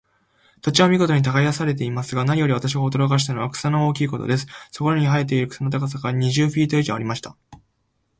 土地は見事に耕されていますが、何より私を驚かしたのは、草の大きいことです。そこらに生えている草の高さが、二十フィート以上ありました。